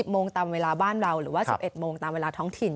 โมงตามเวลาบ้านเราหรือว่า๑๑โมงตามเวลาท้องถิ่น